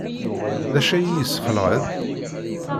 D acu ay iyi-yesxelɛen?